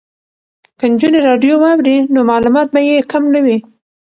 که نجونې راډیو واوري نو معلومات به یې کم نه وي.